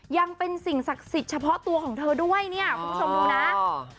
ยังเป็นสิ่งศักดิ์สิทธิ์เฉพาะตัวของเธอด้วยเนี่ยคุณผู้ชมดูนะ